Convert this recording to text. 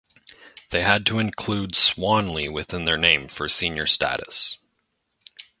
They had to include "Swanley" within their name for senior status.